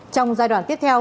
trong giai đoạn tiếp theo